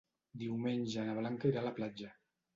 Diumenge na Blanca irà a la platja.